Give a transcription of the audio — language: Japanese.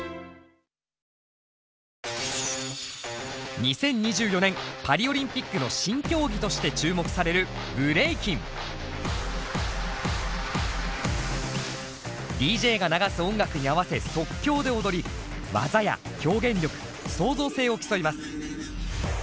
２０２４年パリオリンピックの新競技として注目されるＤＪが流す音楽に合わせ即興で踊り技や表現力創造性を競います。